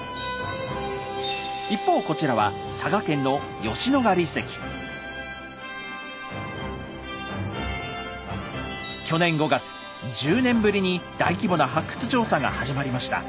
一方こちらは去年５月１０年ぶりに大規模な発掘調査が始まりました。